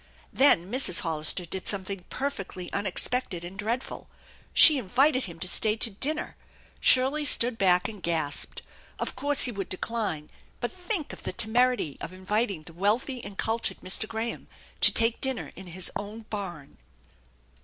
Then Mrs. Hollister did something perfectly unexpected and dreadful she invited him to stay to dinner! Shirley stood back and gasped. Of course he would decline, but think of the temerity of inviting the wealthy and cultured Mr. Graham to take dinner in his own barn!